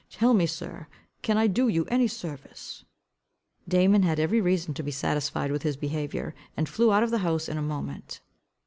Tell me, sir, can I do you any service?" Damon had every reason to be satisfied with his behaviour, and flew out of the house in a moment.